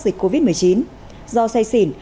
dịch covid một mươi chín do xe xỉn